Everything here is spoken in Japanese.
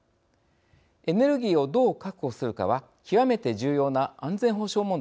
エネルギーをどう確保するかは極めて重要な安全保障問題です。